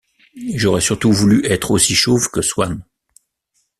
J’aurais surtout voulu être aussi chauve que Swann.